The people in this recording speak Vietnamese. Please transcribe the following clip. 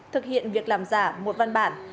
thực hiện việc làm giả một văn bản